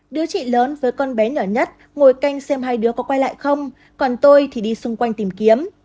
đứa chị lớn với con bé nhỏ nhất ngồi canh xem hai đứa có quay lại không còn tôi thì đi xung quanh tìm kiếm